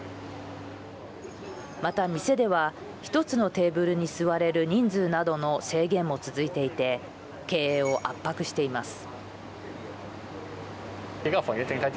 また、店では１つのテーブルに座れる人数などの制限も続いていて経営を圧迫しています。